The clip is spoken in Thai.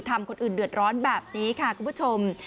ทำคนอื่นเดือดร้อนแบบนี้ค่ะคุณผู้ชม